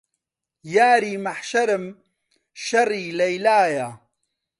یاری مەحشەرم شەڕی لەیلایە